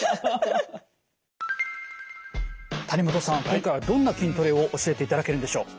今回はどんな筋トレを教えていただけるんでしょう？